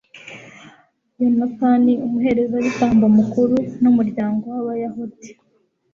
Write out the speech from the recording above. yonatani, umuherezabitambo mukuru n'umuryango w'abayahudi